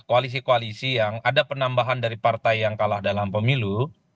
koalisi koalisi yang ada penambahan dari partai yang kalah dalam pemilu